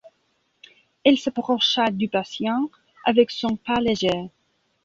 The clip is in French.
Elle s’approcha du patient avec son pas léger.